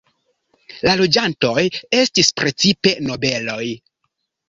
La loĝantoj estis precipe nobeloj.